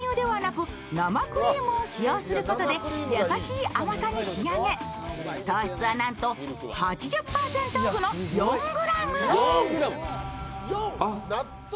ミルククリームは練乳ではなく生クリームを使用することで優しい甘さに仕上げ、糖質はなんと８０％オフの４ｇ。